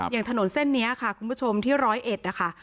อย่างถนนเส้นนี้ค่ะคุณผู้ชมที่ร้อยเอ็ดนะคะ